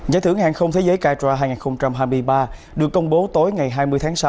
giải thưởng hàng không thế giới cara hai nghìn hai mươi ba được công bố tối ngày hai mươi tháng sáu